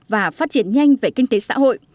và phát triển nhanh về kinh tế xã hội